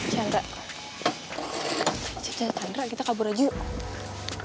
chandra ween kita kabur aja yuk